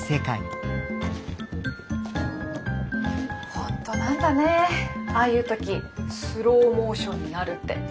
本当なんだねああいう時スローモーションになるって。